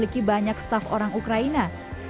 saya berharap mereka bisa melakukannya